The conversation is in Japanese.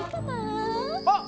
あっ！